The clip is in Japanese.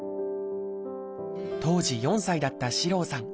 当時４歳だった四郎さん。